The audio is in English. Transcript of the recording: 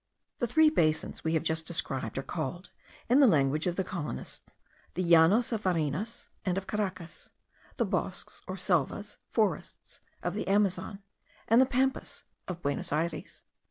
The three basins we have just described are called, in the language of the colonists, the Llanos of Varinas and of Caracas, the bosques or selvas (forests) of the Amazon, and the Pampas of Buenos Ayres.